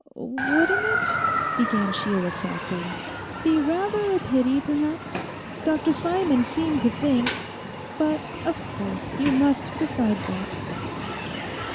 'Wouldn't it,' began Sheila softly, 'be rather a pity perhaps? Dr Simon seemed to think.... But, of course, you must decide that.